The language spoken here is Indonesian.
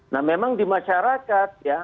nah memang di masyarakat ya